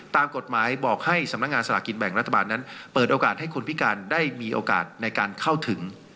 ตามกฎหมายบอกให้สำนักงานสลากกินแบ่งรัฐบาลนั้นเปิดโอกาสให้คุณพิการได้มีโอกาสในการเข้าถึง